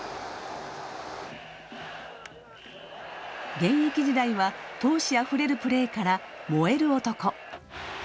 現役時代は闘志あふれるプレーから燃える男。